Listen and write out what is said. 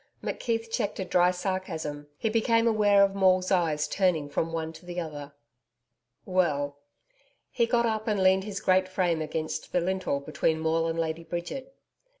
McKeith check a dry sarcasm. He became aware of Maule's eyes turning from one to the other. 'Well ' He got up and leaned his great frame against the lintel between Maule and Lady Bridget.